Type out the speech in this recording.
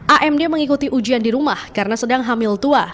amd mengikuti ujian di rumah karena sedang hamil tua